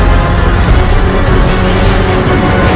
rai turunkan suaramu rai